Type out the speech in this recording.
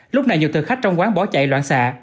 lúc này nhiều thực khách trong quán bỏ chạy loạn xạ